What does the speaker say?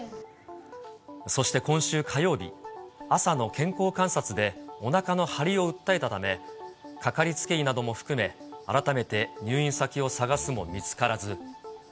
そして今週火曜日、朝の健康観察で、おなかの張りを訴えたため、掛かりつけ医なども含め、改めて入院先を探すも見つからず。